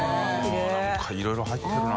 燭いろいろ入ってるな。